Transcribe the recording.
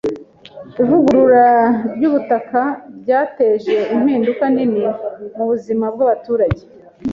Ivugurura ryubutaka ryateje impinduka nini mubuzima bwabaturage.